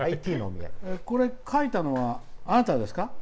これ、書いたのはあなたですか。